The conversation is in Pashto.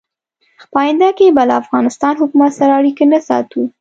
په آینده کې به له افغانستان حکومت سره اړیکې نه ساتو.